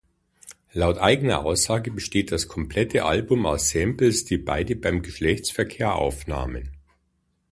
Laut eigener Aussage besteht das komplette Album aus Samples, die beide beim Geschlechtsverkehr aufnahmen.